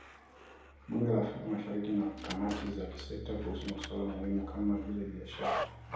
Bunge la Afrika Mashariki na kamati za kisekta kuhusu masuala muhimu kama vile biashara